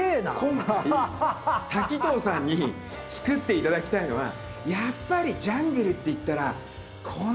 今回滝藤さんにつくって頂きたいのはやっぱりジャングルっていったらこのぐらいの大きさを。